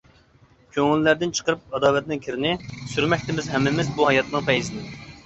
كۆڭۈللەردىن چىقىرىپ ئاداۋەتنىڭ كىرىنى، سۈرمەكتىمىز ھەممىمىز بۇ ھاياتنىڭ پەيزىنى.